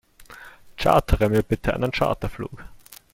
Chartere mir bitte einen Charterflug!